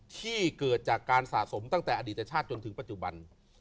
ที่เกิดจากการสะสมตั้งแต่อดีตชาติจนถึงปัจจุบัน